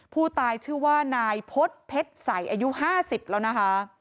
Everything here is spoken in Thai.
ผู้ตายชื่อว่านายพฤษเพชรใสอายุ๕๐แล้วนะคะ